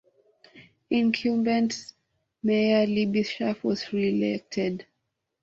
Incumbent mayor Libby Schaaf was reelected.